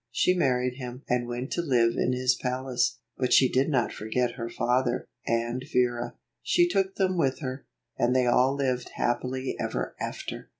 She married him, and went to live in his palace. But she did not forget her father, and Vera. She took them with her, and they all lived happily ever after.